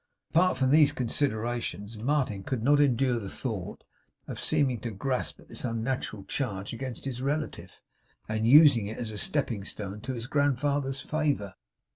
Apart from these considerations, Martin could not endure the thought of seeming to grasp at this unnatural charge against his relative, and using it as a stepping stone to his grandfather's favour.